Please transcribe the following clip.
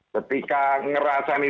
ketika ngerasa sedih